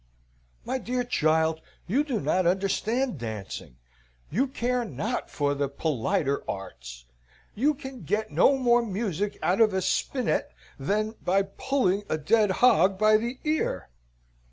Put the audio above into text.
"My dear child, you do not understand dancing you care not for the politer arts you can get no more music out of a spinet than by pulling a dead hog by the ear.